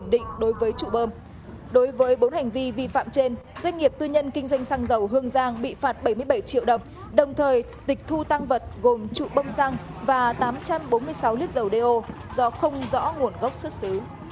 đối với bốn hành vi vi phạm trên doanh nghiệp tư nhân kinh doanh xăng dầu hương giang bị phạt bảy mươi bảy triệu đồng đồng thời tịch thu tăng vật gồm trụ bơm xăng và tám trăm bốn mươi sáu lít dầu đeo do không rõ nguồn gốc xuất xứ